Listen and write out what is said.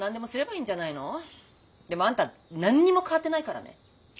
でもあんた何にも変わってないからね。